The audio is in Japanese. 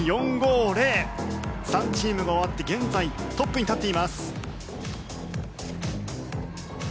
３チームが終わって現在トップに立っています。